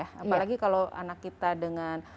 apalagi kalau anak kita dengan